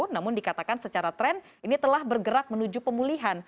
namun dikatakan secara tren ini telah bergerak menuju pemulihan